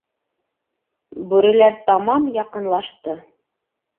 Бүреләр тамам яҡынлашты.